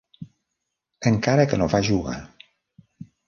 Encara que no va jugar.